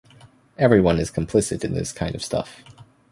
Everyone is complicit in this kind of stuff.